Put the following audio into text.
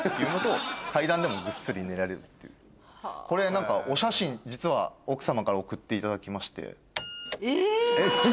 これお写真実は奥さまから送っていただきまして。